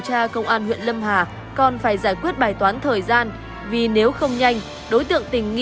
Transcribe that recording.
tra công an huyện lâm hà còn phải giải quyết bài toán thời gian vì nếu không nhanh đối tượng tình nghi